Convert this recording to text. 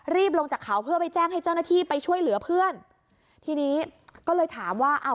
ลงจากเขาเพื่อไปแจ้งให้เจ้าหน้าที่ไปช่วยเหลือเพื่อนทีนี้ก็เลยถามว่าอ้าว